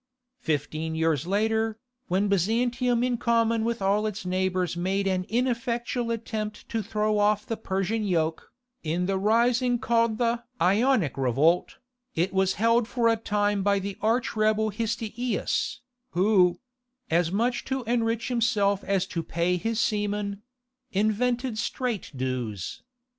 Fifteen years later, when Byzantium in common with all its neighbours made an ineffectual attempt to throw off the Persian yoke, in the rising called the "Ionic Revolt," it was held for a time by the arch rebel Histiaeus, who—as much to enrich himself as to pay his seamen—invented strait dues.